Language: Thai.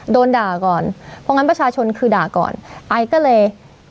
โดนด่าก่อนเพราะงั้นประชาชนคือด่าก่อนไอก็เลย